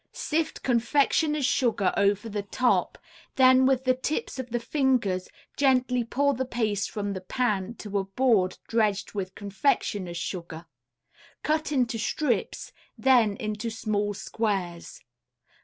Sift confectioner's sugar over the top, then with the tips of the fingers gently pull the paste from the pan to a board dredged with confectioner's sugar; cut into strips, then into small squares.